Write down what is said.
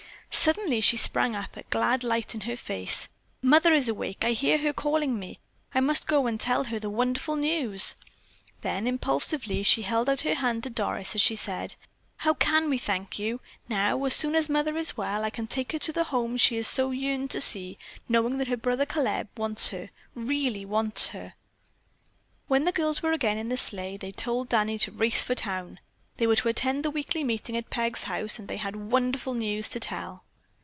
Suddenly she sprang up, a glad light in her face. "Mother is awake! I hear her calling me. I must go and tell her the wonderful news." Then impulsively she held out a hand to Doris as she said: "How can we thank you. Now, as soon as Mother is well, I can take her to the home she has so yearned to see, knowing that her brother Caleb wants her, really wants her." When the girls were again in the sleigh, they told Danny to race for town. They were to attend the weekly meeting at Peg's house and they had wonderful news to tell.